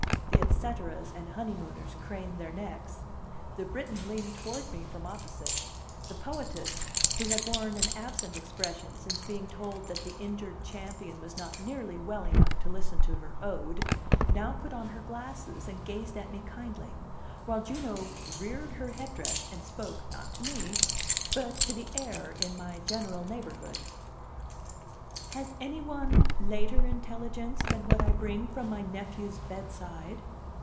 The et ceteras and honeymooners craned their necks; the Briton leaned toward me from opposite; the poetess, who had worn an absent expression since being told that the injured champion was not nearly well enough to listen to her ode, now put on her glasses and gazed at me kindly; while Juno reared her headdress and spoke, not to me, but to the air in my general neighborhood. "Has any one later intelligence than what I bring from my nephew's bedside?"